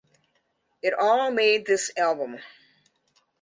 It all made this album.